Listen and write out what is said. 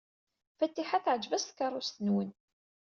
Fatiḥa teɛjeb-as tkeṛṛust-nwen.